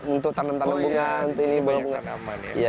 untuk tanam tanam bunga